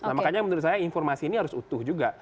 nah makanya menurut saya informasi ini harus utuh juga